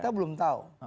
kita belum tahu